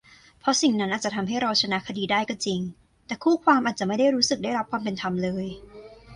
เพราะสิ่งนั้นอาจจะทำให้เราชนะคดีได้ก็จริง แต่คู่ความอาจจะไม่ได้รู้สึกได้รับความเป็นธรรมเลย